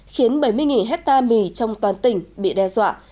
khiến bảy mươi hectare mì trong toàn tỉnh bị đe dọa